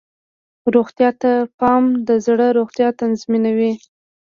روغتیا ته پام د زړه روغتیا تضمینوي.